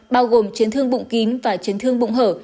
bao gồm chiến thương bụng kín và chiến thương bụng hở